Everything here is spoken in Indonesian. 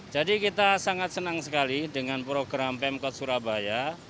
jadi kita sangat senang sekali dengan program pemkot surabaya